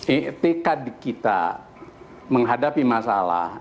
etika kita menghadapi masalah